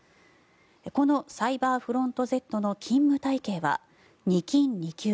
このサイバーフロントＺの勤務体系は２勤２休。